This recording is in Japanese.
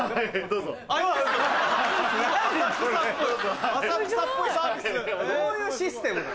どういうシステムなの。